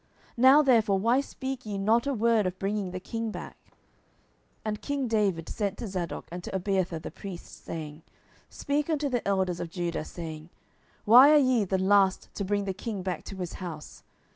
Now therefore why speak ye not a word of bringing the king back? 10:019:011 And king David sent to Zadok and to Abiathar the priests, saying, Speak unto the elders of Judah, saying, Why are ye the last to bring the king back to his house?